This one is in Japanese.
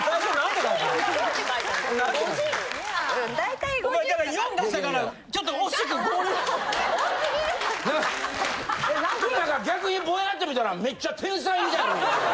でもなんか逆にぼやっと見たらめっちゃ天才みたいに見える。